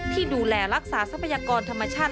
ที่ดูแลรักษาทรัพยากรธรรมชาติ